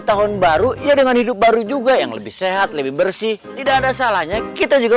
tahun baru ya dengan hidup baru juga yang lebih sehat lebih bersih tidak ada salahnya kita juga